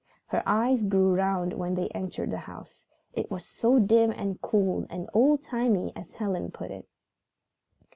Her eyes grew round when they entered the house. It was so dim and cool and "old timey" as Helen put it.